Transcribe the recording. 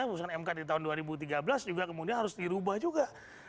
putusan mk di tahun dua ribu tiga belas juga kemudian harus dirubah juga